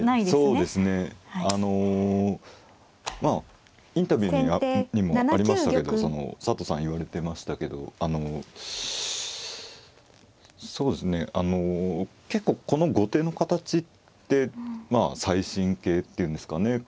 そうですねインタビューにもありましたけど佐藤さん言われてましたけど結構この後手の形ってまあ最新形って言うんですかね。